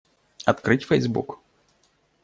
Открыть Facebook.